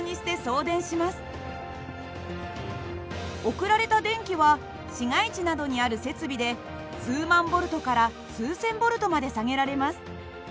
送られた電気は市街地などにある設備で数万Ｖから数千Ｖまで下げられます。